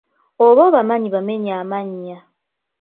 Oba obamanyi bamenye amannya.